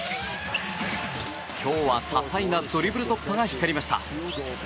今日は多彩なドリブル突破が光りました。